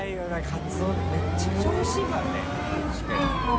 カツオめっちゃくちゃおいしいからね高知県のね。